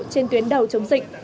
trên tuyến đầu chống dịch